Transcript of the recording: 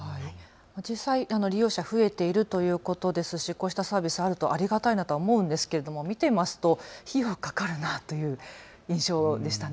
実際、利用者、増えているということですし、こうしたサービスあるとありがたいなとは思うんですが、見ていると費用がかかるなという印象でした。